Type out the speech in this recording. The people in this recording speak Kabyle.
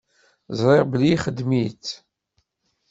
Ẓriɣ belli ixdem-itt.